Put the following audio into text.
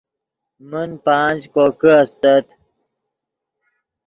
من پانچ کوکے استت